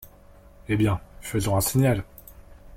Eh bien, faisons un signal!